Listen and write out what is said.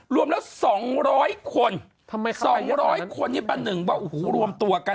รวมแล้วสองร้อยคนทำไมสองร้อยคนนี่เป็นหนึ่งว่าโอ้โหรวมตัวกัน